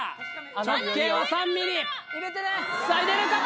直径は３ｍｍさあ入れれるか？